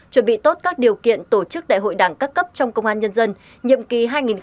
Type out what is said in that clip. chuẩn bị tốt các điều kiện tổ chức đại hội đảng cấp cấp trong công an nhân dân nhiệm kỳ hai nghìn hai mươi năm hai nghìn ba mươi